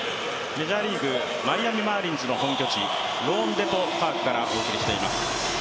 メジャーリーグ、マイアミ・マーリンズの本拠地ローンデポ・パークからお送りしています。